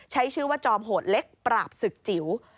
ใช้ชื่อว่าจอมโหดเล็กปราบศึกจิ๋ว